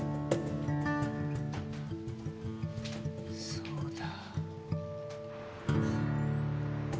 そうだ。